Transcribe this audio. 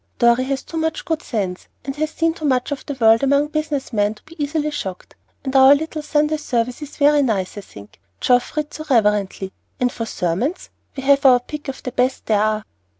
Dorry has too much good sense, and has seen too much of the world among business men to be easily shocked. And our little Sunday service is very nice, I think; Geoff reads so reverently, and for sermons, we have our pick of the best there are."